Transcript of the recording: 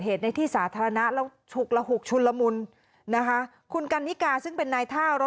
เหตุในที่สาธารณะแล้วฉุกระหุกชุนละมุนนะคะคุณกันนิกาซึ่งเป็นนายท่าร้อย